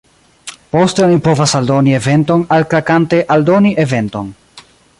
Poste oni povas aldoni eventon, alklakante 'Aldoni eventon'.